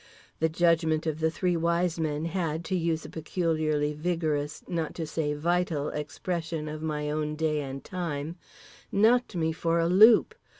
The judgment of the Three Wise Men had—to use a peculiarly vigorous (not to say vital) expression of my own day and time—knocked me for a loop.